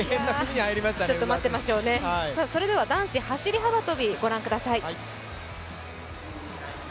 それでは、男子走幅跳ご覧ください。